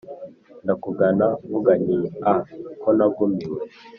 nd akugana nkuganyii-a ko nagumiwe